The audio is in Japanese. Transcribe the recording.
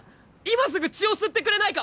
今すぐ血を吸ってくれないか！？